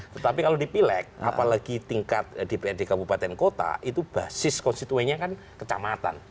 tetapi kalau di pilek apalagi tingkat dpr di kabupaten kota itu basis konstituensinya kan kecamatan